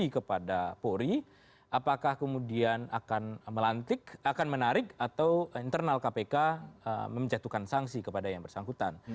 jadi pada puri apakah kemudian akan melantik akan menarik atau internal kpk menjatuhkan sanksi kepada yang bersangkutan